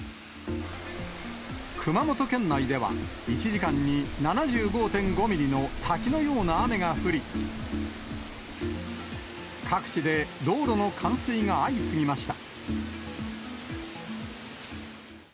熊本県内では、１時間に７５．５ミリの滝のような雨が降り、各地で道路の冠水が相次ぎました。